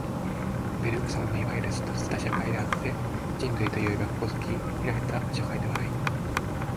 ベルグソンのいわゆる閉じた社会であって、人類というが如き開いた社会ではない。